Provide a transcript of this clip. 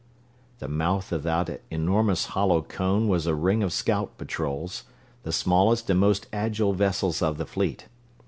The mouth of that enormous hollow cone was a ring of scout patrols, the smallest and most agile vessels of the fleet.